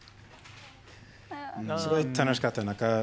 すごい楽しかった。